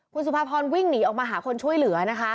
คุณสุภาพรวิ่งหนีออกมาหาคนช่วยเหลือนะคะ